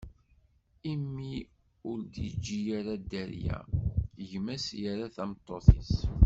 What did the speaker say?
Imi ur d-iǧǧi ara dderya, gma-s yerra tameṭṭut-is.